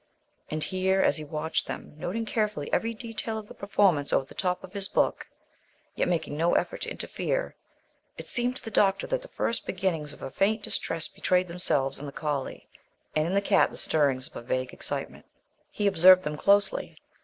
And, here, as he watched them, noting carefully every detail of the performance over the top of his book, yet making no effort to interfere, it seemed to the doctor that the first beginnings of a faint distress betrayed themselves in the collie, and in the cat the stirrings of a vague excitement. He observed them closely.